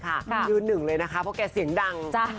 ค่ะียุนหนึ่งเลยนะคะเพราะแกเสียงดังจ้ะ